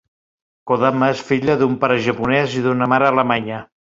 Kodama és filla d'un pare japonès i d'una mare alemanya.